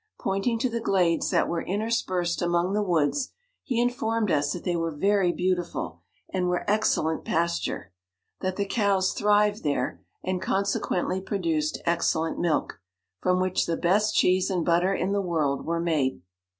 Pointing to the glades that were inter spersed among the woods, he informed us that they w r ere very beautiful, and w ere excellent pasture; that the cows thrived there, and consequently pro duced excellent milk, from which the best cheese and butter in the world were made.